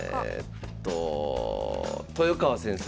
豊川先生。